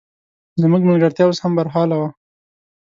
زموږ ملګرتیا اوس هم برحاله وه.